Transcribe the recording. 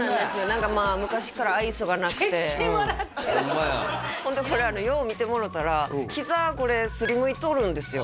何かまあ昔から愛想がなくてほんでこれよう見てもろうたらひざこれ擦りむいとるんですよ